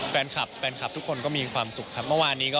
เปล่าไปกับผู้ชมดี